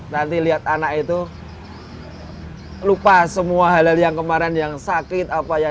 nanti lihat anak itu lupa semua hal hal yang kemarin yang sakit apa ya